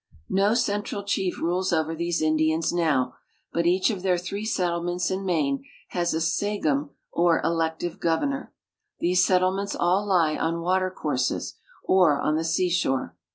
No central chief rules over these Indians now, but each of their three settlements in Maine has a sagum or elective governor. These settlements all lie on watercourses or on the seashore.